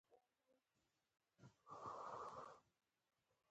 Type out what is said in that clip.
څو ځله يې يوه خبره وکړه.